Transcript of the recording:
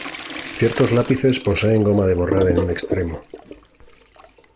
Ciertos lápices poseen goma de borrar en un extremo.